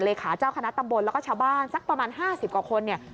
เลขาเจ้าคณะตำบลแล้วก็ชาวบ้านสักประมาณ๕๐กว่าคนเนี่ย